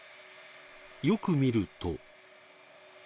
よく見ると。